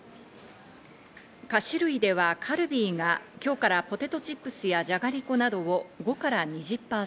菓子類ではカルビーが今日からポテトチップスやじゃがりこなどを５％から２０％。